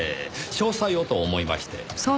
詳細をと思いまして。